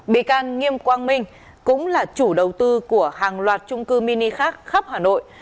bị can nghiêm quang minh cũng là chủ đầu tư của hàng loạt trung cư mini khác khắp hà nội